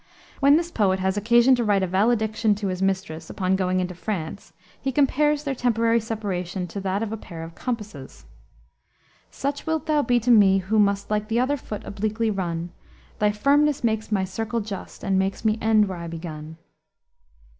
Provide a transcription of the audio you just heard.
When this poet has occasion to write a valediction to his mistress upon going into France, he compares their temporary separation to that of a pair of compasses: "Such wilt thou be to me, who must, Like the other foot obliquely run; Thy firmness makes my circle just, And makes me end where I begun."